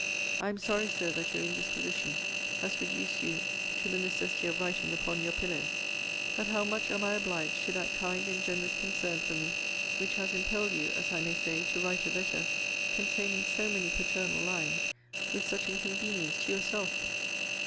I am sorry, Sir, that your indisposition has reduced you to the necessity of writing upon your pillow. But how much am I obliged to that kind and generous concern for me, which has impelled you, as I may say, to write a letter, containing so many paternal lines, with such inconvenience to yourself!